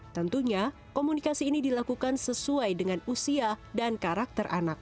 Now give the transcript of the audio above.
tentunya komunikasi ini dilakukan sesuai dengan usia dan karakter anak